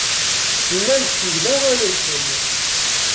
Llan ttgen aɣan-nsen.